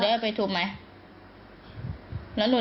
พ่อใช้ได้ตีหนู